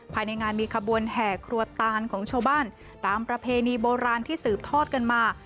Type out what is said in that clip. ภายในงานมีขบวนแห่ครัวตานของชาวบ้านตามประเพณีโบราณที่สืบทอดกันมา